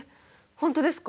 本当ですか？